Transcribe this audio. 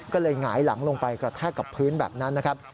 ก็เลยหงายหลังลงไปกระแทกกับพื้นแบบนั้นนะครับ